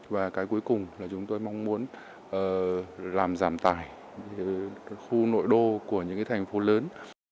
và cái cuối cùng là chúng tôi mong muốn làm giảm tài khu nội đô của những cái thành phố lớn